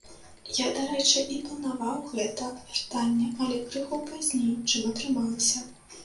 Я, дарэчы, і планаваў гэта вяртанне, але крыху пазней, чым атрымалася.